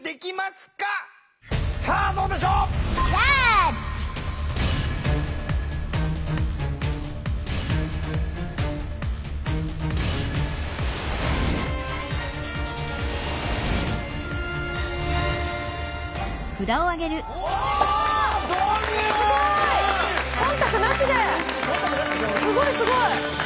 すごいすごい！